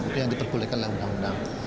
itu yang diperbolehkan oleh undang undang